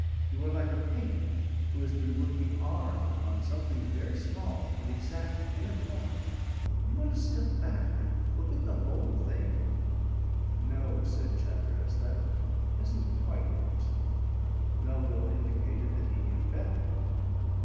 You are like a painter who has been working hard upon something very small and exacting in a corner. You want to step back and look at the whole thing." "No," said Chatteris, "that isn't quite it." Melville indicated that he knew better.